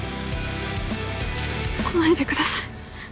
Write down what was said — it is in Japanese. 来ないでください。